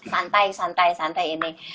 santai santai santai ini